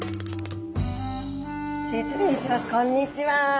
こんにちは。